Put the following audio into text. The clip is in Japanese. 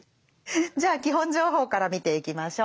じゃあ基本情報から見ていきましょう。